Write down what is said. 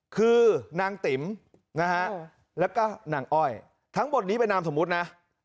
คือนางติ๋มนะฮะแล้วก็นางอ้อยทั้งหมดนี้เป็นนามสมมุตินะ